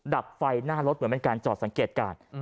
ดับไฟหน้ารถเหมือนเป็นการจอดสังเกตการณ์